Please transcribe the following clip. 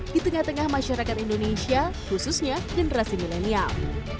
di tengah tengah masyarakat indonesia khususnya generasi milenial